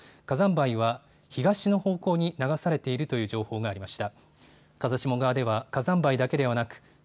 灰は東の方向に流されているという情報がありました。